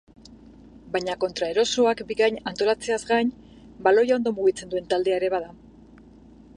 Baina kontraerasoak bikain antolatzeaz gain, baloia ondo mugitzen duen taldea ere bada.